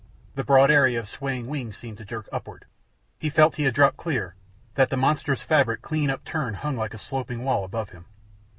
The broad area of swaying wings seemed to jerk upward. He felt he had dropped clear, that the monstrous fabric, clean overturned, hung like a sloping wall above him.